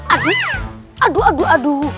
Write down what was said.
aduh aduh aduh aduh